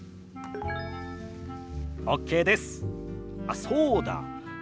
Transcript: あっそうだ。